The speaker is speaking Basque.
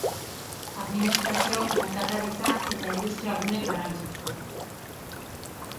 Administrazio, merkataritza eta industria gune garrantzitsua.